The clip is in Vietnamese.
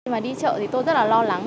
mà đi chợ thì tôi rất là lo lắng